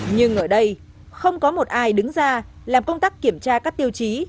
nhưng ở đây không có một ai đứng ra làm công tác kiểm tra các tiêu chí